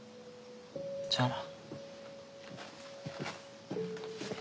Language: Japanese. じゃあな。